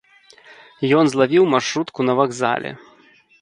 Ён злавіў маршрутку на вакзале.